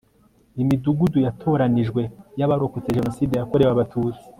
imidugudu yatoranijwe y abarokotse jenoside yakorewe abatutsi